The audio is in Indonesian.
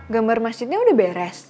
gambar masjidnya udah beres